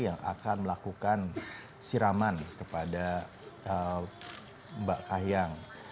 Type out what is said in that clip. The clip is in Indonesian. yang akan melakukan siraman kepada mbak kahiyang